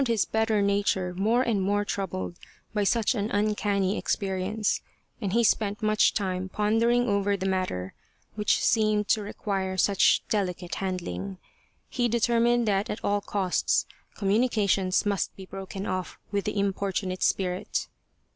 93 The Spirit of the Lantern more troubled by such an uncanny experience, and he spent much time pondering over the matter, which seemed to require such delicate handling. He deter mined that at all costs communications must be broken off with the importunate spirit.